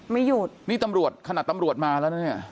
ไม่หยุดนี่ตำรวจขนาดตำรวจมาแล้วนะเนี่ย